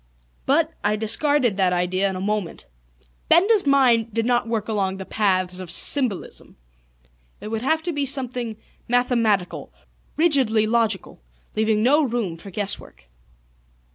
But, I discarded that idea in a moment. Benda's mind did not work along the paths of symbolism. It would have to be something mathematical, rigidly logical, leaving no room for guess work.